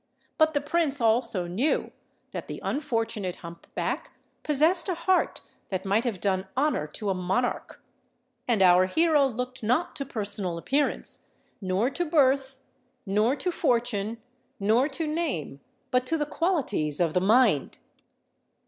But the Prince also knew that the unfortunate hump back possessed a heart that might have done honour to a monarch; and our hero looked not to personal appearance—nor to birth—nor to fortune—nor to name,—but to the qualities of the mind!